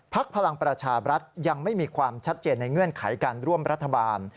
พลังประชาบรัฐยังไม่มีความชัดเจนในเงื่อนไขการร่วมรัฐบาล